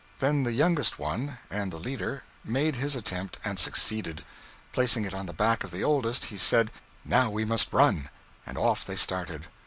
Then the youngest one, and the leader, made his attempt, and succeeded. Placing it on the back of the oldest, he said, 'Now we must run,' and off they started.